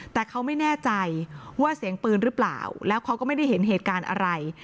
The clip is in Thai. แต่เขาไม่แน่ใจว่าเสียงปืนหรือเปล่าแล้วเขาก็ไม่ได้เห็นเหตุการณ์อะไร